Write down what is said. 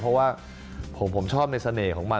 เพราะว่าผมชอบในเสน่ห์ของมัน